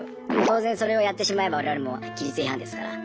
当然それをやってしまえば我々も規律違反ですから。